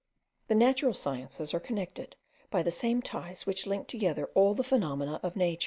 The natural sciences are connected by the same ties which link together all the phenomena of nature.